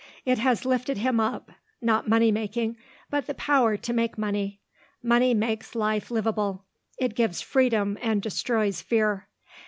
It has lifted him up not money making, but the power to make money. Money makes life livable. It gives freedom and destroys fear.